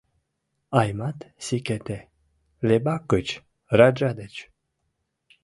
— Аймат-Си-Кете, Лебак гыч, раджа деч.